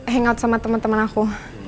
hangout sama temen temen aku